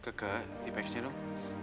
keke tipexnya tuh